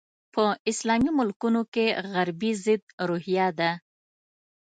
په اسلامي ملکونو کې غربي ضد روحیه ده.